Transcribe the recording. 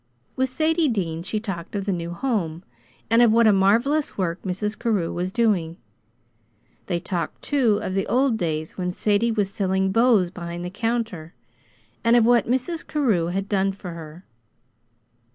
With Sadie Dean she talked of the new Home, and of what a marvelous work Mrs. Carew was doing. They talked, too, of the old days when Sadie was selling bows behind the counter, and of what Mrs. Carew had done for her.